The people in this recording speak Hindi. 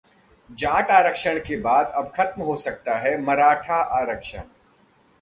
जाट आरक्षण के बाद अब खत्म हो सकता है मराठा आरक्षण